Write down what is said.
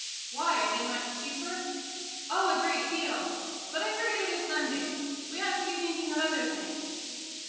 "Why? are they much cheaper?" "Oh, a great deal; but I forget it is Sunday. We ought to be thinking of other things.